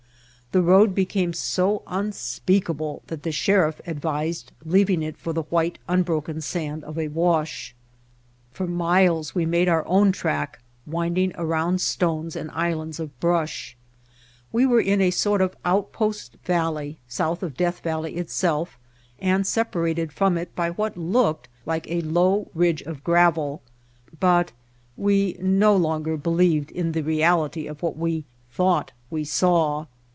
The road became so un speakable that the Sheriff advised leaving it for the white, unbroken sand of a wash. For miles The White Heart we made our own track, winding around stones and islands of brush. We were in a sort of out post valley south of Death Valley itself, and separated from it by what looked like a low ridge of gravel, but we no longer believed in the reality of what we thought we saw.